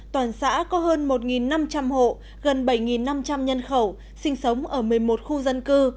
toàn xã có hơn một năm trăm linh hộ gần bảy năm trăm linh nhân khẩu sinh sống ở một mươi một khu dân cư